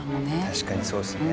確かにそうですね